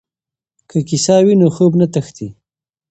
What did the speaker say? که کیسه وي نو خوب نه تښتي.